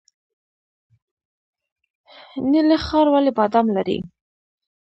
نیلي ښار ولې بادام لري؟